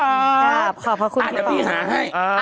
ขอบคุณพี่ป๋องค่ะอาจจะพี่หาให้